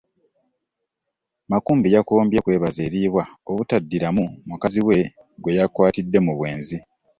Makumbi yakombye ku ebaza eriibwa obutaddiramu mukazi we gwe yakwatidde mu bwenzi.